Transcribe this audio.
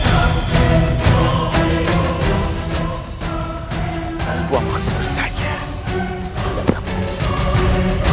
aku berdiri kash simultan